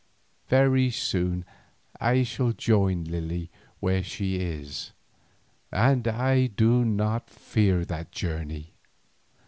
Very soon I shall join Lily where she is, and I do not fear that journey.